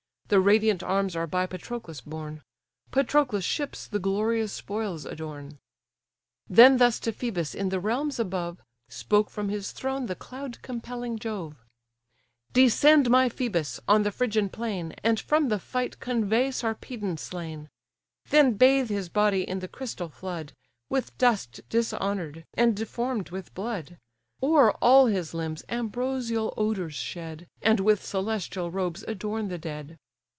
The radiant arms are by Patroclus borne; Patroclus' ships the glorious spoils adorn. Then thus to Phœbus, in the realms above, Spoke from his throne the cloud compelling Jove: "Descend, my Phœbus! on the Phrygian plain, And from the fight convey Sarpedon slain; Then bathe his body in the crystal flood, With dust dishonour'd, and deform'd with blood; O'er all his limbs ambrosial odours shed, And with celestial robes adorn the dead.